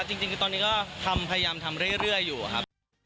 จริงตอนนี้ก็พยายามทำเรื่อยอยู่ครับ